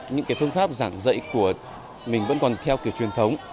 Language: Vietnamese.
những cái phương pháp giảng dạy của mình vẫn còn theo kiểu truyền thống